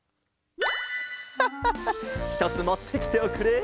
ハッハッハひとつもってきておくれ。